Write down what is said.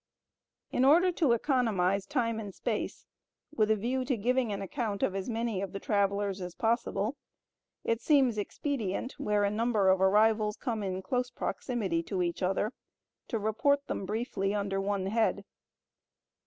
In order to economize time and space, with a view to giving an account of as many of the travelers as possible, it seems expedient, where a number of arrivals come in close proximity to each other, to report them briefly, under one head.